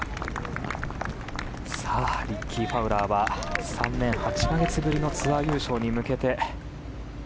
リッキー・ファウラーは３年８か月ぶりのツアー優勝に向けて。